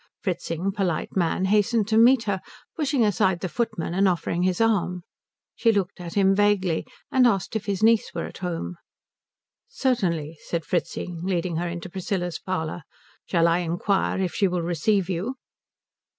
Fritzing, polite man, hastened to meet her, pushing aside the footman and offering his arm. She looked at him vaguely, and asked if his niece were at home. "Certainly," said Fritzing, leading her into Priscilla's parlour. "Shall I inquire if she will receive you?"